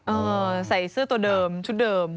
ใส่เสื้อตัวเดิมชุดเดิม